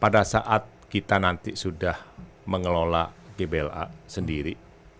dan kita sudah mengelola gbla sendiri